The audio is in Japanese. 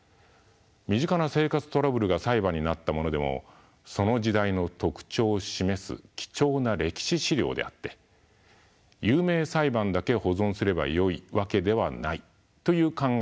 身近な生活トラブルが裁判になったものでもその時代の特徴を示す貴重な歴史資料であって有名裁判だけ保存すればよいわけではないという考え方といえます。